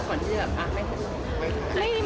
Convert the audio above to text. ก่อนที่จะแบบอ้าวให้เห็น